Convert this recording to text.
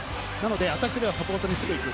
アタックではサポートにすぐ行ける。